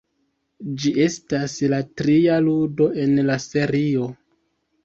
Ĝi estas la tria ludo en la serio.